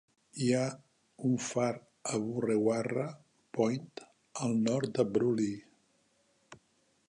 Hi ha un far a Burrewarra Point, al nord de Broulee.